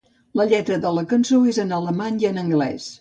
La lletra de la cançó és en alemany i en anglès.